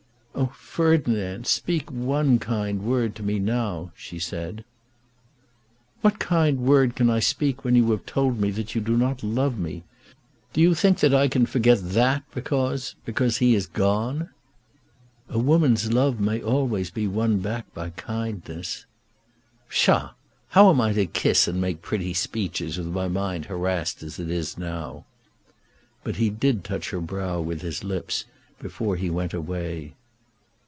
"Oh, Ferdinand, speak one kind word to me now," she said. "What kind word can I speak when you have told me that you do not love me? Do you think that I can forget that because because he has gone?" "A woman's love may always be won back again by kindness." "Psha! How am I to kiss and make pretty speeches with my mind harassed as it is now?" But he did touch her brow with his lips before he went away.